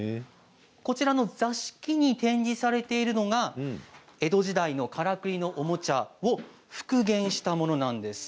こちらの座敷に展示されていたのが江戸時代のからくりのおもちゃを復元したものなんです。